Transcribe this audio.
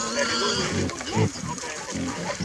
څنګه هغه څوک بریالی کیږي چي له ماتي نه بیریږي؟